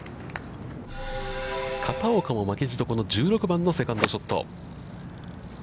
片岡も負けじとこの１６番のセカンドショット。